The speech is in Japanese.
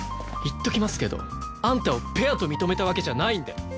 言っときますけどあんたをペアと認めたわけじゃないんで。